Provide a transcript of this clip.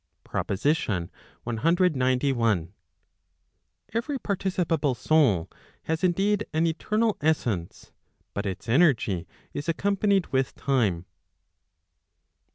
PROPOSITION CXCI. Every participable soul has indeed an eternal essence, but its energy is accompanied with time.